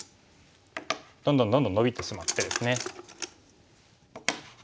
どんどんどんどんノビてしまってですね。